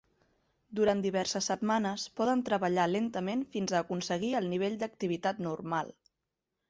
Durant diverses setmanes, poden treballar lentament fins a aconseguir el nivell d'activitat normal.